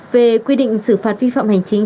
về quy định xử phạt vi phạm hành chính